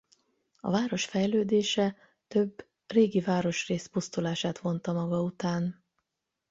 A város fejlődése több régi városrész pusztulását vonta maga után.